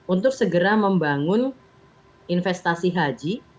untuk segera membangun investasi haji